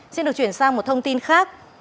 xin được chuyển sang một thông tin khác